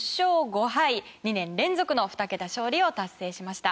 ２年連続の２桁勝利を達成しました。